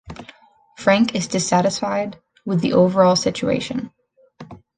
Frank is dissatisfied with the overall situation.